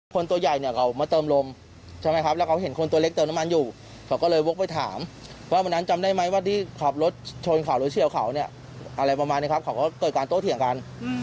ตัวใหญ่เนี่ยเขามาเติมลมใช่ไหมครับแล้วเขาเห็นคนตัวเล็กเติมน้ำมันอยู่เขาก็เลยวกไปถามว่าวันนั้นจำได้ไหมว่าที่ขับรถชนเขาหรือเฉียวเขาเนี่ยอะไรประมาณนี้ครับเขาก็เกิดการโต้เถียงกัน